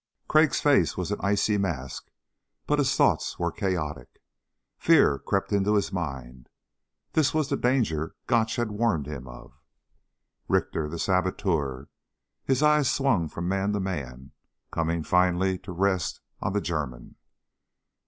Crag's face was an icy mask but his thoughts were chaotic. Fear crept into his mind. This was the danger Gotch had warned him of. Richter? The saboteur? His eyes swung from man to man, coming finally to rest on the German.